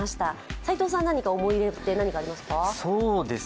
斎藤さん、何か思い入れはありますか？